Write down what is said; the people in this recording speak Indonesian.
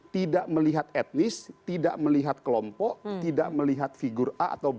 tidak melihat etnis tidak melihat kelompok tidak melihat figur a atau b